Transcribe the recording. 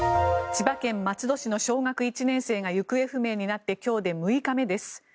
千葉県松戸市の小学１年生が行方不明になって今日で６日目です。